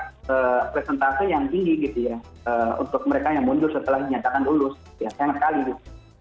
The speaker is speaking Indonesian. ya sayang sekali gitu